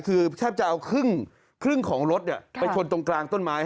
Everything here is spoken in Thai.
คือแทบจะเอาครึ่งของรถไปชนตรงกลางต้นไม้